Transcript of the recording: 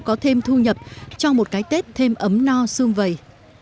có thêm thu nhập cho một cái tết thêm ấm no sung vầy